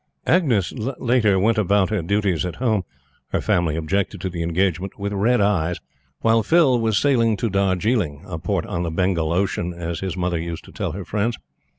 Agnes Laiter went about her duties at home her family objected to the engagement with red eyes, while Phil was sailing to Darjiling "a port on the Bengal Ocean," as his mother used to tell her friends.